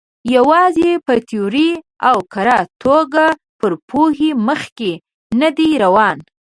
یوازې په تیوریکي او کره توګه پر پوهې مخکې نه دی روان.